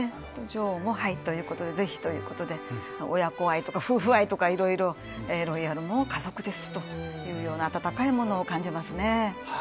女王もはい、ぜひということで親子愛とか、夫婦愛とかいろいろロイヤルも家族ですというような温かいものを感じますね。